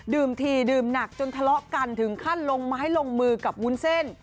ทีดื่มหนักจนทะเลาะกันถึงขั้นลงไม้ลงมือกับวุ้นเส้น